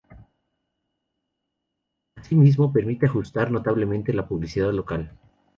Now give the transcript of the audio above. Asimismo, permite ajustar notablemente la publicidad local.